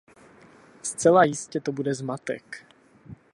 Zcela jistě to bude zmatek.